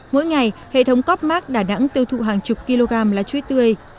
mỗi ngày hệ thống copmark đà nẵng tiêu thụ hàng chục kg lá chuối tươi